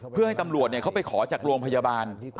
เพื่อให้ตำรวจเขาไปขอจากโรงพยาบาล